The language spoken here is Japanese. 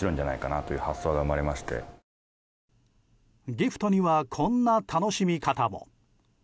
ギフトにはこんな楽しみ方も。